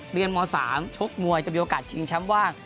เรียนม๓ชกมวยจะมีโอกาสชิงแชมป์ว่าง